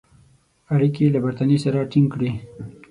اړیکي له برټانیې سره تینګ کړي.